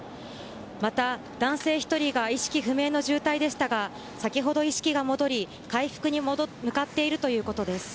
また、男性１人が意識不明の重体でしたが先ほど意識が戻り、回復に向かっているということです。